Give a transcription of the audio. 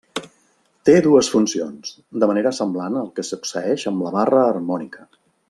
Té dues funcions, de manera semblant al que succeeix amb la barra harmònica.